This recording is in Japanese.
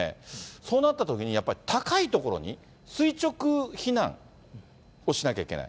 そうなったときに、やっぱり高い所に、垂直避難をしなきゃいけない。